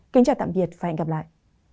kính chào tạm biệt và hẹn gặp lại